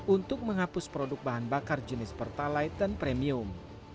untuk menghapus produk bahan bakar jenis pertalite dan premium